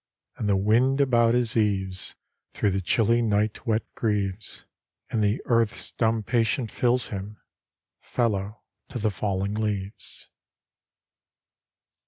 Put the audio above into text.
And the wind about his eaves Through the chilly night wet grieves, And the earth's dumb patience fills him, Fellow to the falling leaves.